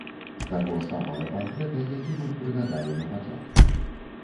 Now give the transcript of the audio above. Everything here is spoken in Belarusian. Таго самага партрэта, які мы прыгадалі напачатку.